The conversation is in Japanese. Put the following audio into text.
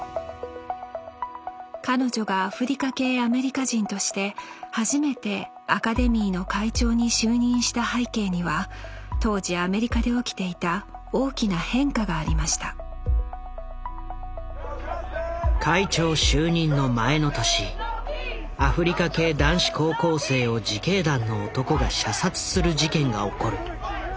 彼女がアフリカ系アメリカ人として初めてアカデミーの会長に就任した背景には当時アメリカで起きていた大きな変化がありました会長就任の前の年アフリカ系男子高校生を自警団の男が射殺する事件が起こる。